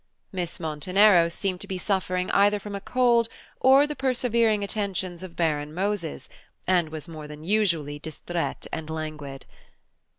Miss Monteneros seemed to be suffering either from a cold or the persevering attentions of Baron Moses, and was more than usually distraite and languid.